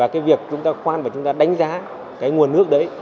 cái việc chúng ta khoan và chúng ta đánh giá cái nguồn nước đấy